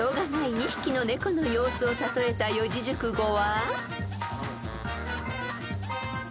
２匹の猫の様子を例えた四字熟語は］